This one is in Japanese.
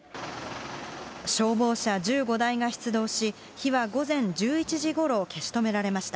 消防車１５台が出動し、火は午前１１時ごろ、消し止められました。